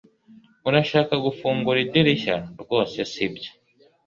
urashaka gufungura idirishya? rwose sibyo